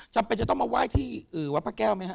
จำเป็นจะต้องมาแว่ที่ฤวัทธเดชน์ประเทศไนเมืองไหม